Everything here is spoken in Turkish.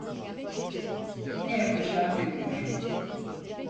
Ne yapacağım bilmiyorum.